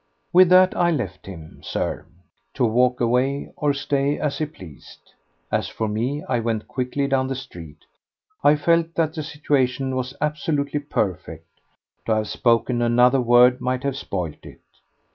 With that I left him, Sir, to walk away or stay as he pleased. As for me, I went quickly down the street. I felt that the situation was absolutely perfect; to have spoken another word might have spoilt it.